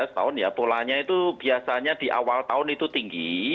setahun ya polanya itu biasanya di awal tahun itu tinggi